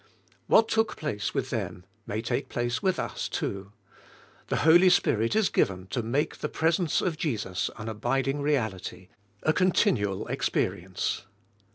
What took place with them, may take place with us too. The Holy Spirit is given to make the presence of Jesus an abiding reality, a 134 JO V IN THE HOL V GHOST continual experience.